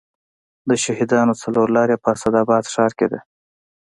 د شهیدانو څلور لارې په اسداباد ښار کې ده